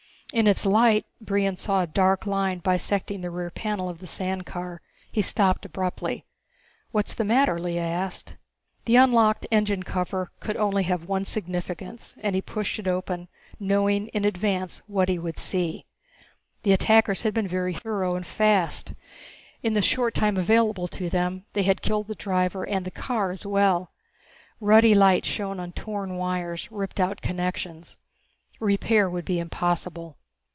In its light Brion saw a dark line bisecting the rear panel of the sand car. He stopped abruptly. "What's the matter?" Lea asked. The unlocked engine cover could have only one significance and he pushed it open, knowing in advance what he would see. The attackers had been very thorough and fast. In the short time available to them they had killed the driver and the car as well. Ruddy light shone on torn wires, ripped out connections. Repair would be impossible.